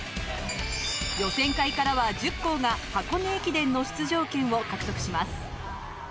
予選会からは１０校が箱根駅伝の出場権を獲得します。